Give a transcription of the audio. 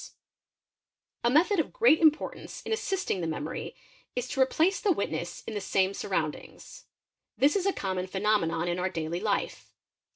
=) 76 EXAMINATION OF WITNESSES A method of great importance in assisting the memory is to replace — the witness in the same surroundings. This is a common phenomenon in our daily life.